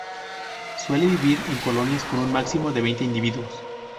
Suele vivir en colonias con un máximo de veinte individuos.